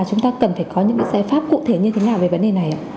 chúng ta cần phải có những cái giải pháp cụ thể như thế nào về vấn đề này không